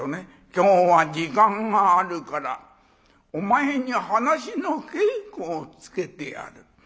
「今日は時間があるからお前に噺の稽古をつけてやる。